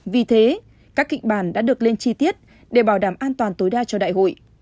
vì thế các kịch bản đã được lên chi tiết để bảo đảm an toàn tối đa cho đại hội